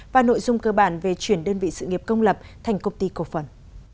và nội dung cơ bản về chuyển đơn vị sự nghiệp công lập thành công ty cổ phần